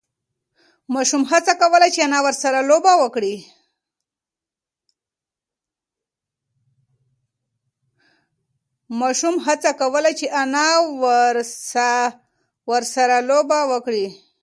ماشوم هڅه کوله چې انا ورسه لوبه وکړي.